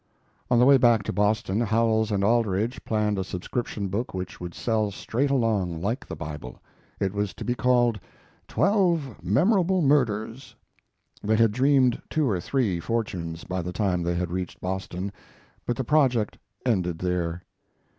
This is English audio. On the way back to Boston Howells and Aldrich planned a subscription book which would sell straight along, like the Bible. It was to be called "Twelve Memorable Murders." They had dreamed two or three fortunes by the time they had reached Boston, but the project ended there.